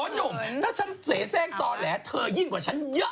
หนุ่มถ้าฉันเสรแสงตอนแหละเธอยิ่งกว่าฉันอยาก